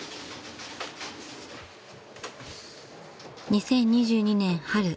［２０２２年春］